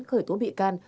khởi tố bị can